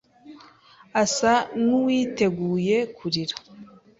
asa nkuwiteguye kurira.